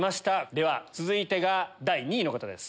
では続いてが第２位の方です。